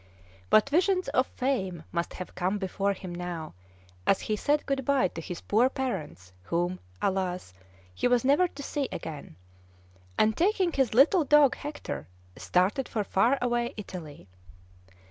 What visions of fame must have come before him now, as he said good by to his poor parents, whom, alas, he was never to see again, and, taking his little dog Hector, started for far away Italy!